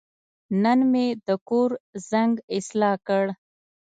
نن مې د کور زنګ اصلاح کړ.